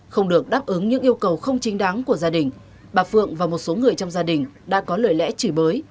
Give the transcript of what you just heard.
không được đáp ứng những yêu cầu không chính đáng của gia đình bà phượng và một số người trong gia đình đã có lời lẽ chửi bới